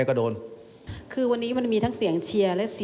ผมไม่พูดอะไรไม่ใช่วันแสดงว่าความสุด